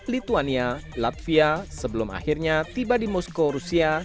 lituania latvia sebelum akhirnya tiba di moskow rusia